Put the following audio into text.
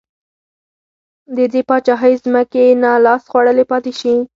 د دې پاچاهۍ ځمکې نا لاس خوړلې پاتې شي.